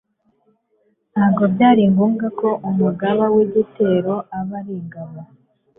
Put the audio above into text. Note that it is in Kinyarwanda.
ntabwo byari ngombwa ko umugaba w igitero aba ari ingabo